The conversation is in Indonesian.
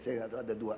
saya gak tahu ada dua